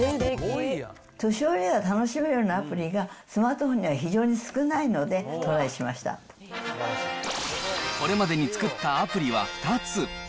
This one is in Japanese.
年寄りが楽しめるようなアプリがスマートフォンには非常に少これまでに作ったアプリは２つ。